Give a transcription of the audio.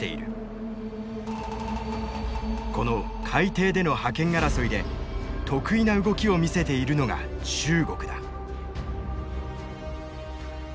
この海底での覇権争いで特異な動きを見せているのが中国だ。